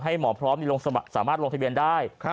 หมอพร้อมสามารถลงทะเบียนได้